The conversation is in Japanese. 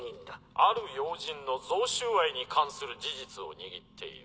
ある要人の贈収賄に関する事実を握っている。